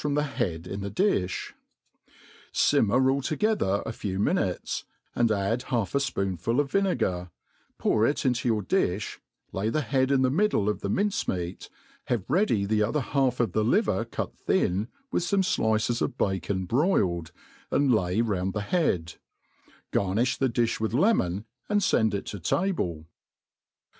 from the head in the difh; iimmer all together a kw minutes, and add half a fpoonful' of vinegar^ pour it into yoiir di(h, lay the head in the middle of the mince meat, have ready the other half of the liver cut thin,^ with fome Hices of bacon broiled, and lay round the headir Garniih the diib with lemon, and fend it to table.